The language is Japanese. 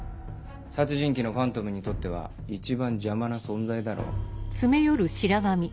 殺人鬼のファントムにとっては一番邪魔な存在だろう。